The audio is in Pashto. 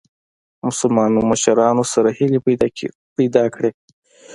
مسلمانو مشرانو سره هیلي پیدا کړې.